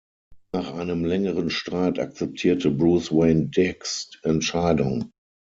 Nach einem längeren Streit akzeptierte Bruce Wayne Dicks Entscheidung.